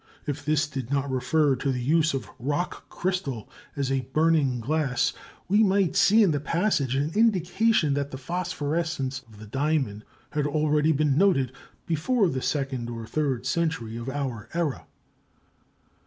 If this did not refer to the use of rock crystal as a burning glass, we might see in the passage an indication that the phosphorescence of the diamond had already been noted before the second or third century of our era.